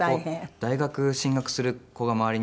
大学進学する子が周りに多くて。